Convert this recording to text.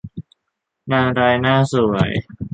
นางร้ายหน้าสวย